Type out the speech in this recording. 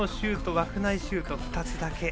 枠内シュートは２つだけ。